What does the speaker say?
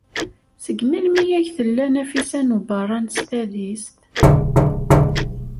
Seg melmi ay tella Nafisa n Ubeṛṛan s tadist?